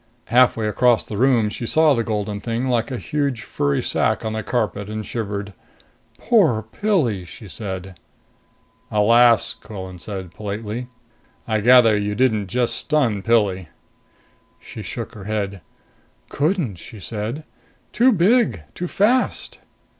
Halfway across the room, she saw the golden thing like a huge furry sack on the carpet and shivered. "Poor Pilli!" she said. "Alas!" Quillan said politely. "I gather you didn't just stun Pilli?" She shook her head. "Couldn't," she said. "Too big. Too fast."